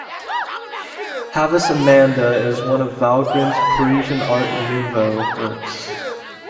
"Havis Amanda" is one of Vallgren's Parisian Art Nouveau works.